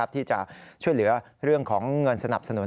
ที่จะช่วยเหลือเรื่องของเงินสนับสนุน